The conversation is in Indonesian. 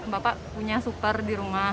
bapak punya super di rumah